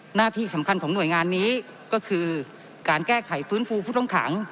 หน้าที่สำคัญของหน่วยงานนี้ก็คือการแก้ไขฟื้นฟูผู้ต้องขัง